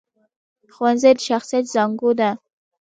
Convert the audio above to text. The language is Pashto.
ښوونځی د شخصیت زانګو ده